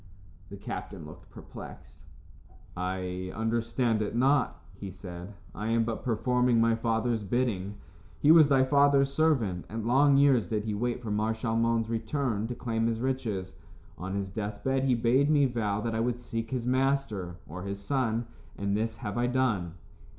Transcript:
The captain looked perplexed. "I understand it not," he said. "I am but performing my father's bidding. He was thy father's servant, and long years did he wait for Mar Shalmon's return to claim his riches. On his death bed he bade me vow that I would seek his master, or his son, and this have I done."